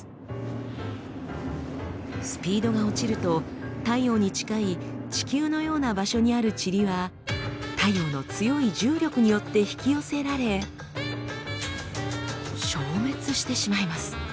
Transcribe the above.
スピードが落ちると太陽に近い地球のような場所にあるチリは太陽の強い重力によって引き寄せられ消滅してしまいます。